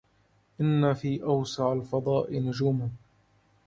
إن في أوسع الفضاء نجوما